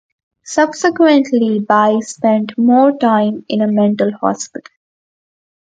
Subsequently, Bai spent some time in a mental hospital.